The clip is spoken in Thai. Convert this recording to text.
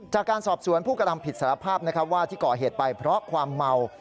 จากการสอบสวนผู้กระทำผิดสารภาพนะครับว่าที่ก่อเหตุไปเพราะความเมา